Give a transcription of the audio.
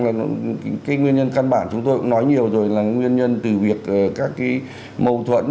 và cái nguyên nhân căn bản chúng tôi cũng nói nhiều rồi là nguyên nhân từ việc các cái mâu thuẫn